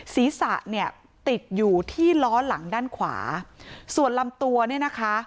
ศีรษะเนี่ยติดอยู่ที่ล้อหลังด้านขวาส่วนลำตัวเนี่ยนะคะ